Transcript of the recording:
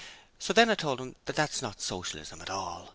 So then I told him that's not Socialism at all!